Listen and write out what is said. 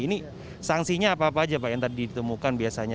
ini sanksinya apa apa saja pak yang tadi ditemukan biasanya